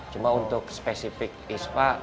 cuma untuk spesifik ispa